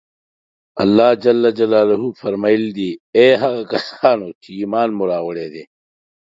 الله جل جلاله فرمایلي دي: اې هغه کسانو چې ایمان مو